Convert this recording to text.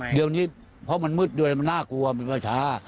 เดี๋ยวนี้เพราะมันมืดดึงเลยมันน่ากลัวครับมีเมื่อชา